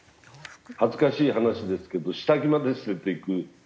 恥ずかしい話ですけど下着まで捨てていく。